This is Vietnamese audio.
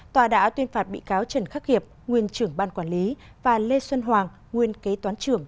tòa đã tuyên phạt bị cáo trần khắc hiệp nguyên trưởng ban quản lý và lê xuân hoàng nguyên kế toán trưởng